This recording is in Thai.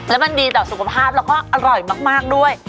และมันดีต่อสุขภาพแล้วก็อร่อยมากด้วย